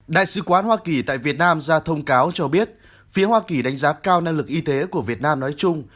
đại sứ quán hoa kỳ tại việt nam ra thông cáo cho biết phía hoa kỳ đánh giá cao năng lực y tế của việt nam nói chung